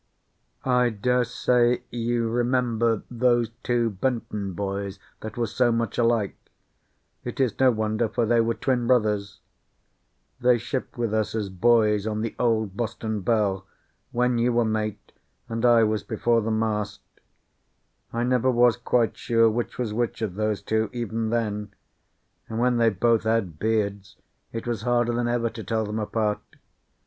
I daresay you remember those two Benton boys that were so much alike? It is no wonder, for they were twin brothers. They shipped with us as boys on the old Boston Belle, when you were mate and I was before the mast. I never was quite sure which was which of those two, even then; and when they both had beards it was harder than ever to tell them apart.